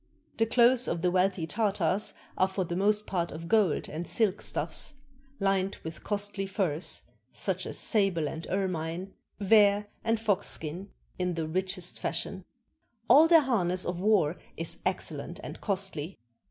The clothes of the wealthy Tartars are for the most part of gold and silk stuffs, Hned with costly furs, such as sable and ermine, vair, and fox skin, in the richest fashion. All their harness of war is excellent and costly.